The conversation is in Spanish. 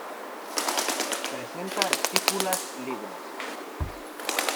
Presenta estípulas libres.